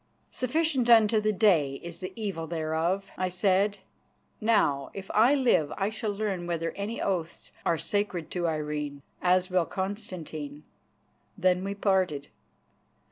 "Sufficient unto the day is the evil thereof," I said. "Now if I live I shall learn whether any oaths are sacred to Irene, as will Constantine." Then we parted.